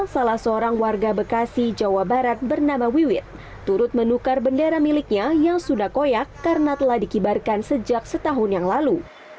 salah seorang warga bekasi jawa barat bernama wiwit turut menukar bendera miliknya yang sudah koyak karena telah dikibarkan sejak setahun yang lalu